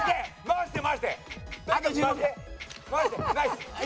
回して！